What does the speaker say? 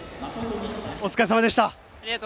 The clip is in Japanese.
お疲れさまでした。